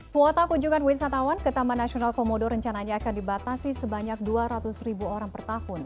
kuota kunjungan wisatawan ke taman nasional komodo rencananya akan dibatasi sebanyak dua ratus ribu orang per tahun